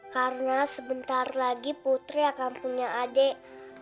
karena sebentar lagi putri akan punya adik